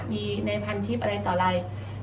มีในพันทิศอะไรต่อไร